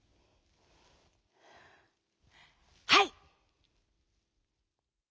「はい！」。